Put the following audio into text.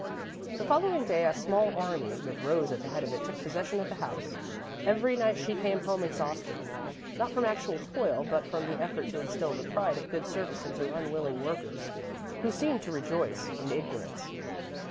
The following day a small army, with Rose at the head of it, took possession of the house. Every night she came home exhausted, not from actual toil, but from the effort to instill the pride of good service into unwilling workers who seemed to rejoice in ignorance.